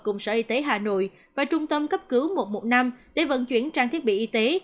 cùng sở y tế hà nội và trung tâm cấp cứu một trăm một mươi năm để vận chuyển trang thiết bị y tế